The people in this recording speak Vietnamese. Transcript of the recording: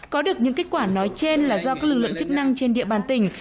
có được những kết quả nói trên là do các lực lượng chức năng trên địa bàn tỉnh